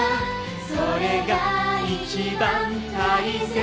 「それが一番大切なんだ」